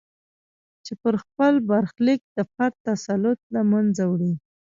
چې پر خپل برخلیک د فرد تسلط له منځه وړي.